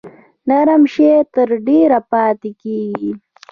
نرم شی تر ډیره پاتې کیږي.